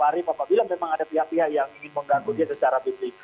apabila memang ada pihak pihak yang ingin mengganggu dia secara fisik